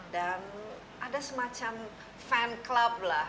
dan ada semacam fan club lah